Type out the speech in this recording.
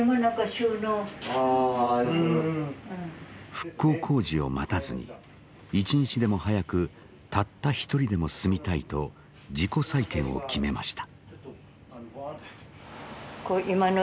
復興工事を待たずに一日でも早くたった一人でも住みたいと自己再建を決めました。